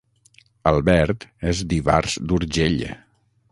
Albert és d'Ivars d'Urgell